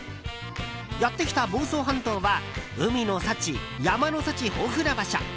やってきた房総半島は海の幸、山の幸、豊富な場所。